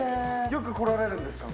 よく来られるんですか？